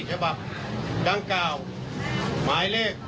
เชฟภาพดัง๙หมายเลข๕๓๓๗๖